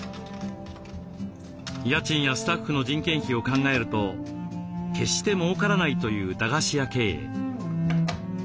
家賃やスタッフの人件費を考えると決してもうからないという駄菓子屋経営。